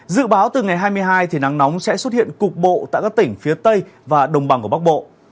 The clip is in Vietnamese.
dự báo từ ngày hai mươi hai thì nắng nóng sẽ xuất hiện cục bộ tại các tỉnh phía tây và đồng bằng của bắc bộ